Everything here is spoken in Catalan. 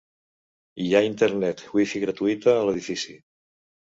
Hi ha internet Wi-Fi gratuïta a l'edifici.